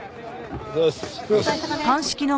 お疲れさまです。